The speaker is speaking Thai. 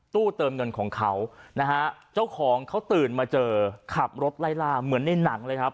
เติมเงินของเขานะฮะเจ้าของเขาตื่นมาเจอขับรถไล่ล่าเหมือนในหนังเลยครับ